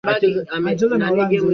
Timu ya wasichana imewasili ukumbuni.